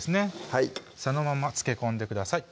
はいそのまま漬け込んでください